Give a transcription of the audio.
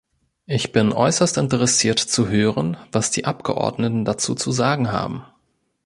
Ich bin äußerst interessiert zu hören, was die Abgeordneten dazu zu sagen haben.